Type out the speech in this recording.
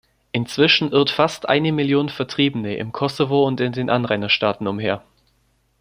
Inzwischen irrt fast eine Million Vertriebene im Kosovo und in den Anrainerstaaten umher.